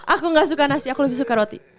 aku gak suka nasi aku lebih suka roti